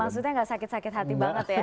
maksudnya gak sakit sakit hati banget ya